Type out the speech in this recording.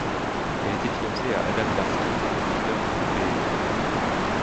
Elle etait fiancée à Adam Darski, leader du groupe Behemoth.